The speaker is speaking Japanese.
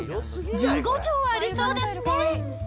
１５畳あるそうですね。